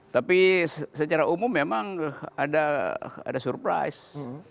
tapi secara umum memang ada surprise